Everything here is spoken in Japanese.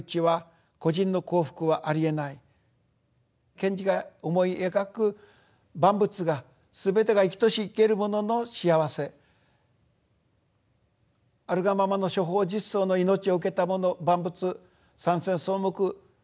賢治が思い描く万物がすべてが生きとし生けるものの幸せあるがままの諸法実相の命を受けた者万物山川草木